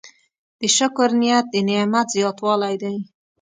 د شکر نیت د نعمت زیاتوالی دی.